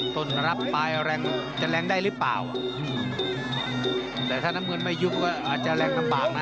ต้นรับปลายแรงจะแรงได้หรือเปล่าแต่ถ้าน้ำเงินไม่ยุบก็อาจจะแรงลำบากนะ